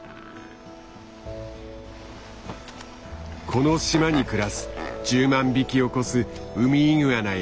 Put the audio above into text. この島に暮らす１０万匹を超すウミイグアナやコバネウたち。